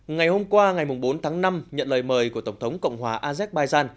ngày hôm qua ngày bốn tháng năm nhận lời mời của tổng thống cộng hòa azek bayzan